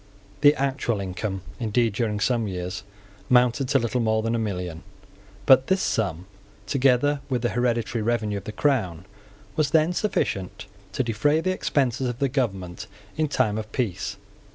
The actual income, indeed, during some years, amounted to little more than a million: but this sum, together with the hereditary revenue of the crown, was then sufficient to defray the expenses of the government in time of peace.